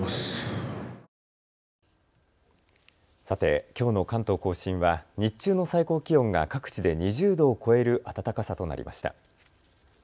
さて、きょうの関東甲信は日中の最高気温が各地で２０度を超える暖かさとなりました。